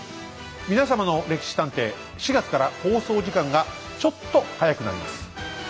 皆様の「歴史探偵」４月から放送時間がちょっと早くなります。